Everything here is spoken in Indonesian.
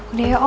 udah ya om